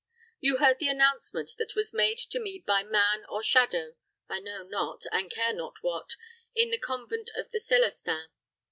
You heard the announcement that was made to me by man or shadow I know not, and care not what in the convent of the Celestins.